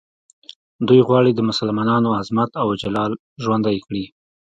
دوی غواړي د مسلمانانو عظمت او جلال ژوندی کړي.